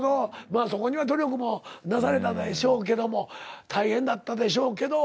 まあそこには努力もなされたでしょうけども大変だったでしょうけど。